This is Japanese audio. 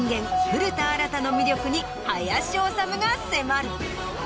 古田新太の魅力に林修が迫る。